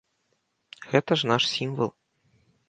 Гэта ж наш сімвал.